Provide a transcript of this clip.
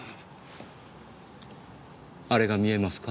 あれが見えますか？